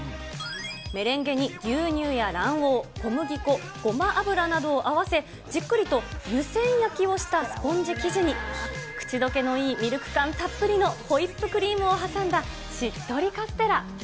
メレンゲに牛乳や卵黄、小麦粉、ごま油などを合わせ、じっくりと湯せん焼きをしたスポンジ生地に、口どけのいいミルク感たっぷりのホイップクリームを挟んだしっとりカステラ。